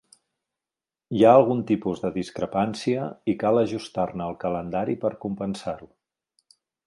Hi ha algun tipus de discrepància i cal ajustar-ne el calendari per compensar-ho.